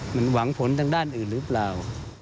มันหวังผลทางด้านอื่นหรือเปล่า